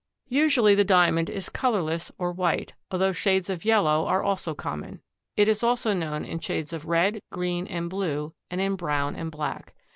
Usually the Diamond is colorless or white, although shades of yellow are also common. It is also known in shades of red, green and blue and in brown and black.